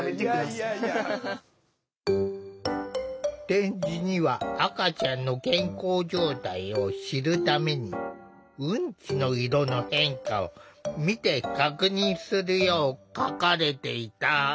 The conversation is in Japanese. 点字には赤ちゃんの健康状態を知るためにうんちの色の変化を見て確認するよう書かれていた。